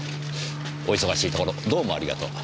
お忙しいところどうもありがとう。